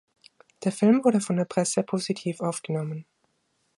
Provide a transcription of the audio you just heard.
Der Film wurde von der Presse positiv aufgenommen.